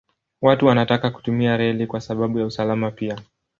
Watu wanataka kutumia reli kwa sababu ya usalama pia.